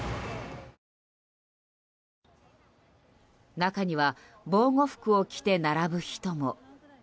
中には防護服を着て並ぶ人も。